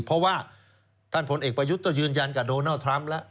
เพราะว่าท่านพลเอกประยุทธ์ก็ยืนยันกับโดนัลดทรัมป์แล้ว